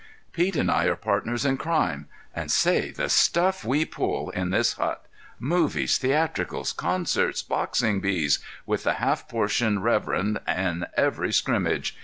Pete and I are partners in crime—and, say, the stuff we pull in this hut! Movies, theatricals, concerts, boxing bees—with the half portion reverend in every scrimmage.